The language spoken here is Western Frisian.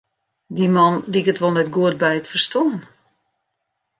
Dy man liket wol net goed by it ferstân.